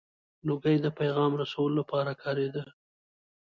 • لوګی د پیغام رسولو لپاره کارېده.